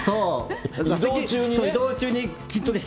移動中にね。